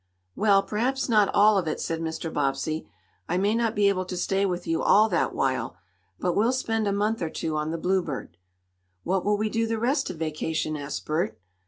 "Well, perhaps not all of it," said Mr. Bobbsey. "I may not be able to stay with you all that while. But we'll spend a month or two on the Bluebird." "What will we do the rest of vacation?" asked Bert.